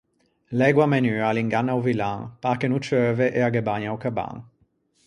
L’ægua menua a l’inganna o villan, pâ che no ceuve e a ghe bagna o cabban.